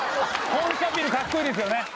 本社ビルかっこいいですよね